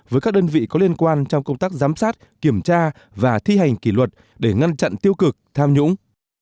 với các đơn vị có liên quan trong công tác giám sát kiểm tra và thi hành kỷ luật để ngăn chặn tiêu cực tham nhũng